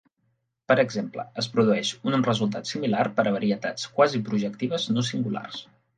Per exemple, es produeix un resultat similar per a varietats quasiprojectives no singulars.